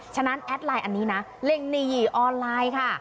ฉะนั้นแอดไลน์อันนี้นะเร่งนี้ออนไลน์ค่ะ